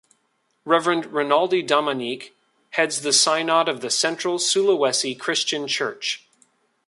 Reverend Renaldy Damanik heads the synod of the Central Sulawesi Christian Church.